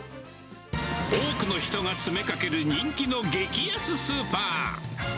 多くの人が詰めかける人気の激安スーパー。